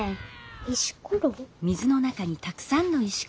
石ころ？